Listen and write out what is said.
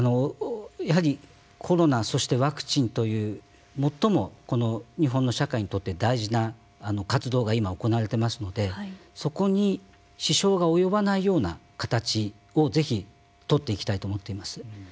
コロナそしてワクチンという最も日本の社会にとって大事な活動が今、行われてますのでそこに支障が及ばないような形をぜひ取っていきたいと思っています。